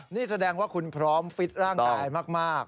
นี่แสดงว่าคุณพร้อมฟิตร่างกายมาก